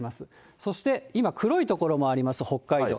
そして今、黒い所もあります、北海道。